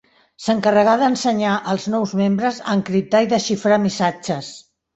S'encarregà d'ensenyar als nous membres a encriptar i desxifrar missatges.